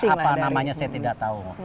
apa namanya saya tidak tahu